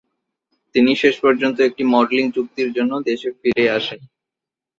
তিনি শেষ পর্যন্ত একটি মডেলিং চুক্তির জন্য দেশে ফিরে আসেন।